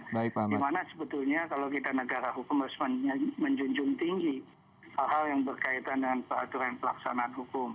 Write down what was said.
dimana sebetulnya kalau kita negara hukum harus menjunjung tinggi hal hal yang berkaitan dengan peraturan pelaksanaan hukum